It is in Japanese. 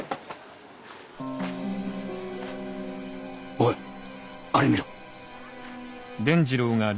おいあれを見ろ。